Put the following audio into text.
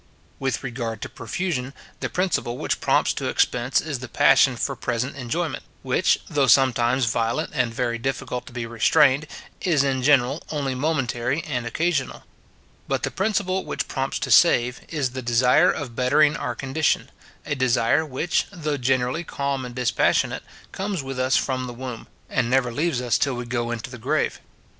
With regard to profusion, the principle which prompts to expense is the passion for present enjoyment; which, though sometimes violent and very difficult to be restrained, is in general only momentary and occasional. But the principle which prompts to save, is the desire of bettering our condition; a desire which, though generally calm and dispassionate, comes with us from the womb, and never leaves us till we go into the grave.